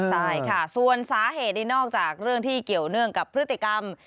ใช่ค่ะส่วนสาเหตุนี่นอกจากเรื่องที่เกี่ยวเนื่องกับพฤติกรรม